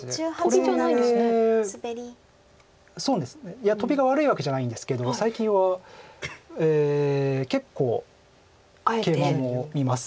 いやトビが悪いわけじゃないんですけど最近は結構ケイマも見ます。